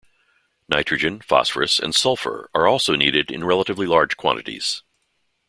Nitrogen, phosphorus, and sulfur are also needed in relatively large quantities.